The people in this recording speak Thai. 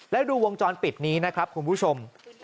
แล้วดูวงจรปิดนี้นะครับคุณผู้ชม